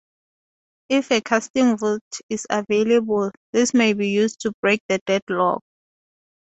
If a casting vote is available, this may be used to break the deadlock.